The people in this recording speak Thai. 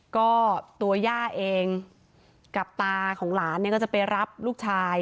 ก็ตัวย่าเองกับตาของหลานเนี่ยก็จะไปรับลูกชาย